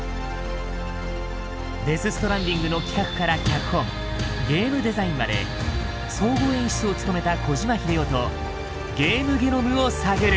「デス・ストランディング」の企画から脚本ゲームデザインまで総合演出を務めた小島秀夫とゲームゲノムを探る。